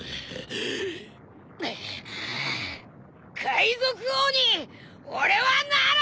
海賊王に俺はなる！